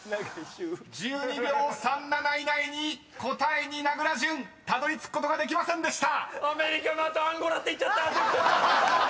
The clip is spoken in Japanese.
［１２秒３７以内に答えに名倉潤たどりつくことができませんでした］